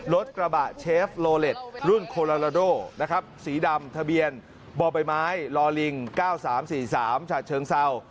รถกระบะเชฟโลเล็ตรุ่นโคลาลาโดนะครับสีดำทะเบียนบ่อใบไม้ลอลิง๙๓๔๓ฉะเชิงเศร้า